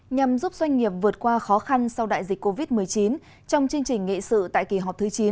nhằm giúp doanh nghiệp vượt qua khó khăn sau đại dịch covid một mươi chín trong chương trình nghị sự tại kỳ họp thứ chín